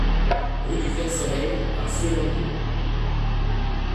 Rue du Clair Soleil à Seloncourt